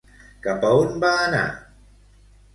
Cap on va anar?